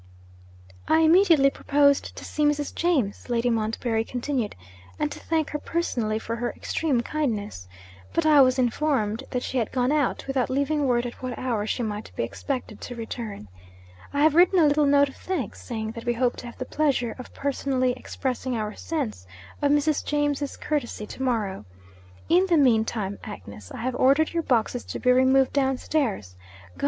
'I immediately proposed to see Mrs. James,' Lady Montbarry continued, 'and to thank her personally for her extreme kindness. But I was informed that she had gone out, without leaving word at what hour she might be expected to return. I have written a little note of thanks, saying that we hope to have the pleasure of personally expressing our sense of Mrs. James's courtesy to morrow. In the mean time, Agnes, I have ordered your boxes to be removed downstairs. Go!